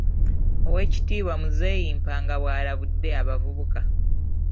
Oweekitiibwa Muzeeyi Mpanga bw'alabudde abavubuka.